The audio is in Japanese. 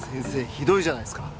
ひどいじゃないですか。